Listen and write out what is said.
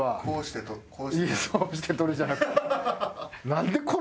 「こうして撮る」じゃなくて。